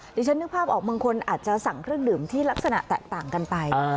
ดิฉันนึกภาพออกบางคนอาจจะสั่งเครื่องดื่มที่ลักษณะแตกต่างกันไป